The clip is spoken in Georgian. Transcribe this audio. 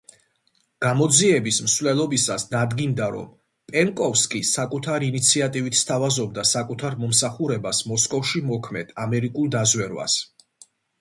გამოძიების მსვლელობისას დადგინდა, რომ პენკოვსკი საკუთარი ინიციატივით სთავაზობდა საკუთარ მომსახურებას მოსკოვში მოქმედ ამერიკულ დაზვერვას.